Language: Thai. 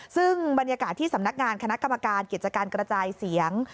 ซึ่งบรรยากาศที่สำนักงานคณะกรรมการกิจการกระจายเสียง